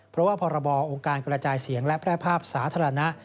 เพราะว่าพรบองค์การกระจายเสียงและแพร่ภาพสาธารณะ